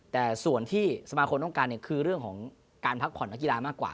แต่ส่วนที่สมาคมต้องการคือเรื่องของการพักผ่อนนักกีฬามากกว่า